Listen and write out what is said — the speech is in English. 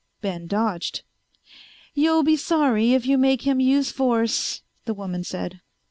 Ben dodged. "You'll be sorry if you make him use force," the woman said.